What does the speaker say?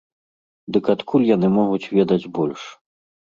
Дык адкуль яны могуць ведаць больш?